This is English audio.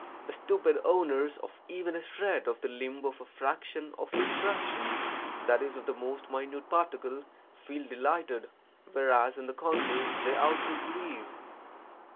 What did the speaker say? The stupid owners of even a shred of the limb of a fraction of its fraction (i.e., of the most minute particle) feel delighted, whereas, on the contrary, they ought to grieve!